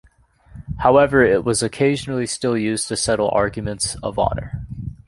However, it was occasionally still used to settle arguments "of honor".